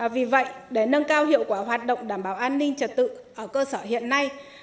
vì vậy để nâng cao hiệu quả hoạt động đảm bảo an ninh trật tự ở cơ sở hiện nay